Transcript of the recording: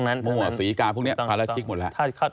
มั่วสีกาพวกนี้ปราชิกหมดแล้ว